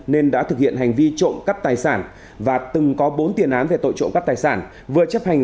nên đã thực hiện hành vi trộm cắp tài sản và từng có bốn tiền án về tội trộm cắp tài sản